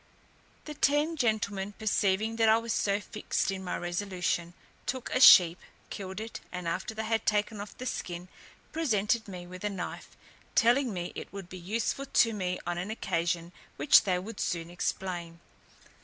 The ten gentlemen perceiving that I was so fixed in my resolution, took a sheep, killed it, and after they had taken off the skin, presented me with a knife, telling me it would be useful to me on an occasion which they would soon explain.